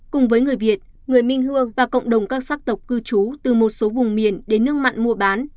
cùng với người việt người minh hương và cộng đồng các sắc tộc cư trú từ một số vùng miền đến nước mặn mua bán